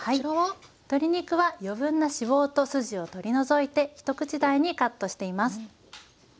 鶏肉は余分な脂肪と筋を取り除いて一口大にカットしています。